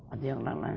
ada yang lain lain